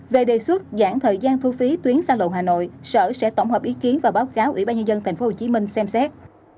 về đề xuất giãn thời gian thu phí tuyến xa lộ hà nội sở sẽ tổng hợp ý kiến và báo cáo ủy ban nhân dân tp hcm xem xét